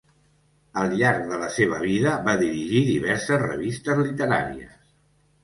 Al llarg de la seva vida, va dirigir diverses revistes literàries.